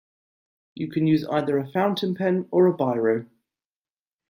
You can use either a fountain pen or a biro